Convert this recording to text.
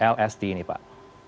lsd ini pak